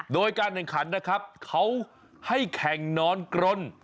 โดยการแข่งขันนะครับเขาให้แข่งนอนกรน